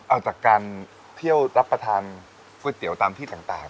เอาจากการเที่ยวรับประทานก๋วยเตี๋ยวตามที่ต่าง